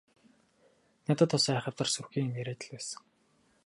Надад бас айхавтар сүрхий юм яриад л байсан.